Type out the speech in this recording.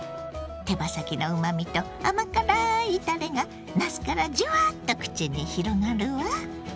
手羽先のうまみと甘辛いたれがなすからじゅわっと口に広がるわ。